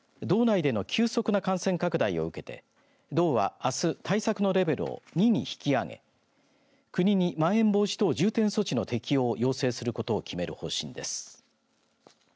道内での急速な感染拡大を受けて道はあす対策のレベルを２に引き上げ国に、まん延防止等重点措置の適応を要請することを決める方針です。